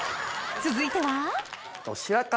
続いてはえ！